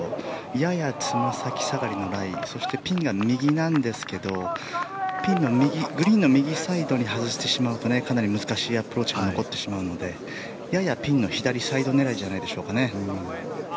ややつま先下がりのライそして、ピンが右なんですがピンのグリーンの右サイドに外してしまうとかなり難しいアプローチが残ってしまうのでややピンの左サイド狙いじゃないでしょうか。